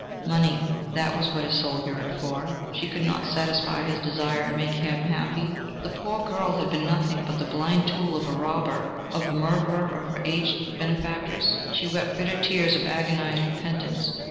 Money that was what his soul yearned for! She could not satisfy his desire and make him happy! The poor girl had been nothing but the blind tool of a robber, of the murderer of her aged benefactress!... She wept bitter tears of agonised repentance.